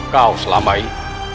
kau selama ini